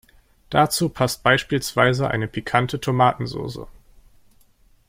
Dazu passt beispielsweise eine pikante Tomatensoße.